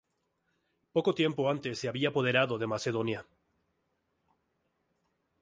Poco tiempo antes se había apoderado de Macedonia.